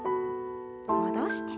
戻して。